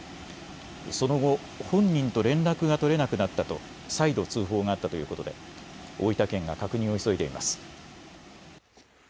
その後、本人と連絡が取れなくなったと再度通報があったということで大分県が確認を急いでいます。